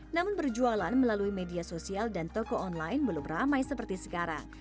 namun berjualan melalui media sosial dan toko online belum ramai seperti sekarang